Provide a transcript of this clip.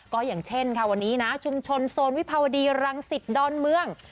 ก็อย่างเช่นค่ะวันนี้นะชุมชนโซนวิภาวดีรังสิตดอนเมือง